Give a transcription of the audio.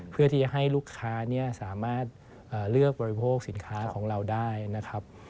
เพื่อที่จะให้ลูกค้าสามารถเลือกบริโภคสินค้าของเราได้นะครับ